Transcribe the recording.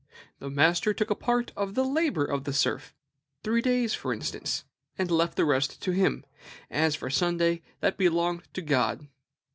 "The master took a part of the labor of the serf, three days, for instance, and left the rest to him. As for Sunday, that belonged to God."